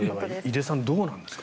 井手さんどうなんですか？